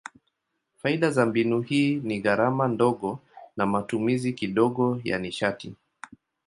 Faida za mbinu hii ni gharama ndogo na matumizi kidogo ya nishati.